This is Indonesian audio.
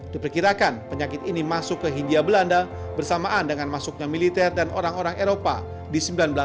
diperkirakan penyakit ini masuk ke hindia belanda bersamaan dengan masuknya militer dan orang orang eropa di seribu sembilan ratus delapan puluh